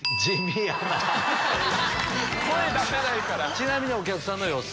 ちなみにお客さんの予想。